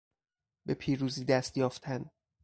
به پیروزی دست یافتن